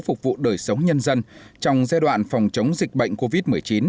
phục vụ đời sống nhân dân trong giai đoạn phòng chống dịch bệnh covid một mươi chín